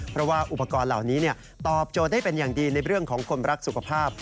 เพราะว่าอุปกรณ์เหล่านี้ตอบโจทย์ได้เป็นอย่างดีในเรื่องของคนรักสุขภาพ